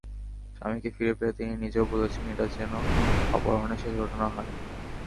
স্বামীকে ফিরে পেয়ে তিনি নিজেও বলেছেন, এটাই যেন অপহরণের শেষ ঘটনা হয়।